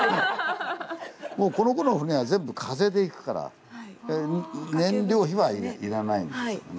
もうこのころの船は全部風で行くから燃料費はいらないんですよね。